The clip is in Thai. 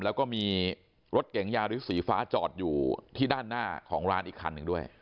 แล้วก็มีรถเก๋งยาริสสีฟ้าจอดอยู่ที่ด้านหน้าของร้านอีกคันหนึ่งด้วย